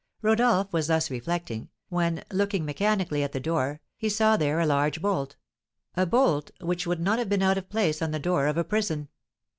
Rodolph was thus reflecting, when, looking mechanically at the door, he saw there a large bolt, a bolt which would not have been out of place on the door of a prison.